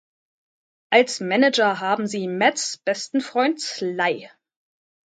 Als Manager haben sie Matts besten Freund Sly.